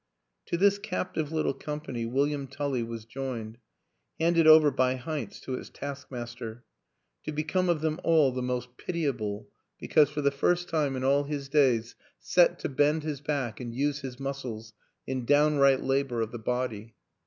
To this captive little company William Tully was joined, handed over by Heinz to its task master to become of them all the most pitiable, WILLIAM AN ENGLISHMAN 121 because for the first time in all his days set to bend his back and use his muscles in downright labor of the body.